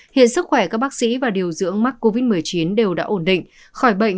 hiện sức khỏe các bác sĩ và điều dưỡng mắc covid một mươi chín đều đã ổn định khỏi bệnh